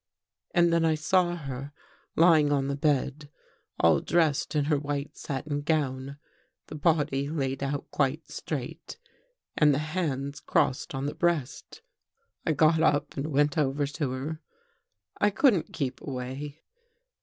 And then I saw her lying on the bed, all dressed in her white satin gown, the body laid out quite straight and the hands crossed on the breast. " I got up and went over to her. I couldn't keep away.